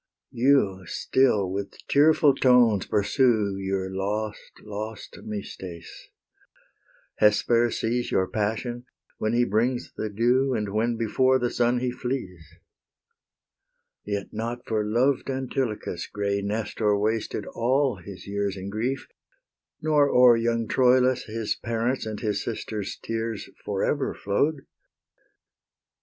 You still with tearful tones pursue Your lost, lost Mystes; Hesper sees Your passion when he brings the dew, And when before the sun he flees. Yet not for loved Antilochus Grey Nestor wasted all his years In grief; nor o'er young Troilus His parents' and his sisters' tears For ever flow'd.